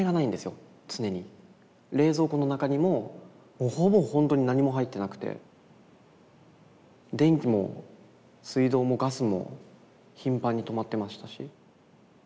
冷蔵庫の中にももうほぼほんとに何も入ってなくて電気も水道もガスも頻繁に止まってましたし。